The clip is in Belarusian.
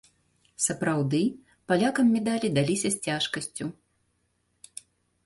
Сапраўды, палякам медалі даліся з цяжкасцю.